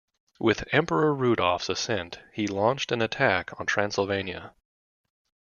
With Emperor Rudolph's assent, he launched an attack on Transylvania.